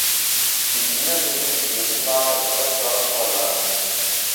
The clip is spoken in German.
Sie dienen bis in die Gegenwart als kostbare Vorlagen.